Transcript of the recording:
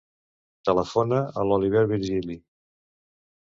Telefona a l'Oliver Virgili.